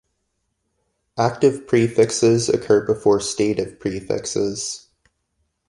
Active prefixes occur before stative prefixes.